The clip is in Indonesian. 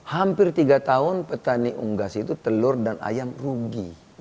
hampir tiga tahun petani unggas itu telur dan ayam rugi